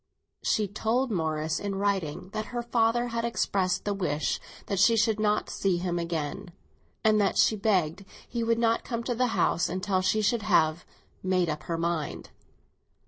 She told Morris in writing that her father had expressed the wish that she should not see him again, and that she begged he would not come to the house until she should have "made up her mind."